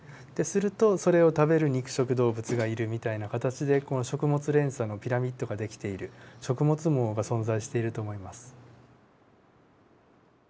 するとそれを食べる肉食動物がいるみたいな形でこの植物連鎖のピラミッドが出来ている食物網が存在していると思います。